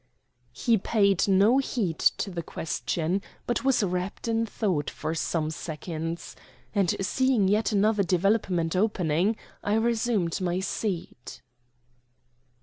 He paid no heed to the question, but was rapt in thought for some seconds, and, seeing yet another development opening, I resumed my seat.